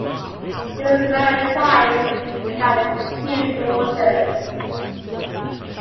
He was married twice, and had two daughters.